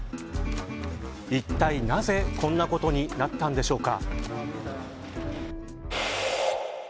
いったいなぜこんなことになったのでしょうか。